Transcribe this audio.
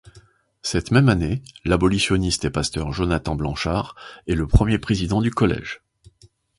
Cette même année, l'abolitionniste et pasteur Jonathan Blanchard est le premier président du collège.